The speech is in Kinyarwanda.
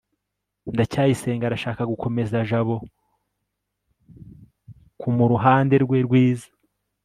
ndacyayisenga arashaka gukomeza jabo kumuruhande rwe rwiza